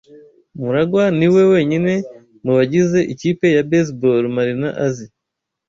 MuragwA niwe wenyine mu bagize ikipe ya baseball Marina azi.